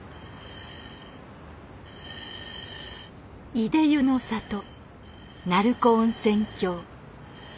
いで湯の里鳴子温泉郷。